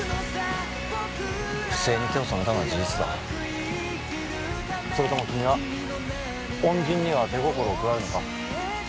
不正に手を染めたのは事実だそれとも君は恩人には手心を加えるのか？